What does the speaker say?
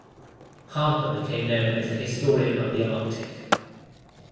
Harper became known as a historian of the Arctic.